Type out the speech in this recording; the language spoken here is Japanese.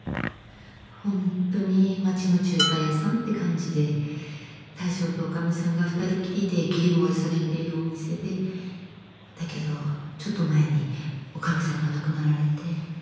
本当に町の中華屋さんって感じで大将とおかみさんが２人きりで切り盛りされているお店でだけどちょっと前におかみさんが亡くなられて。